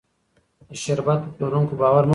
د شربت په پلورونکو باور مه کوئ.